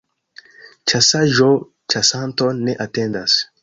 Ĉasaĵo ĉasanton ne atendas.